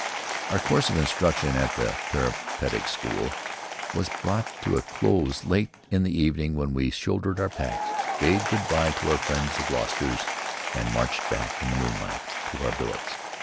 Our course of instruction at the Parapet etic School was brought to a close late in the evening when we shouldered our packs, bade good bye to our friends the Gloucesters, and marched back in the moonlight to our billets.